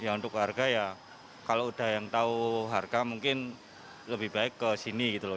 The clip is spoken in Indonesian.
ya untuk harga ya kalau udah yang tahu harga mungkin lebih baik ke sini gitu loh